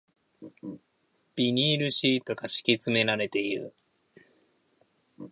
ビニールシートが敷き詰められている